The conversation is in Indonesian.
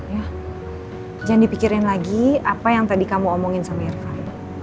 ya jangan dipikirin lagi apa yang tadi kamu omongin sama irva